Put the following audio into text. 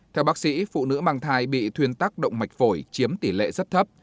theo bác sĩ phụ nữ mang thai bị thuyên tác động mạch phổi chiếm tỷ lệ rất thấp